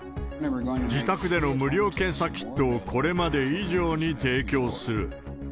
自宅での無料検査キットをこれまで以上に提供する。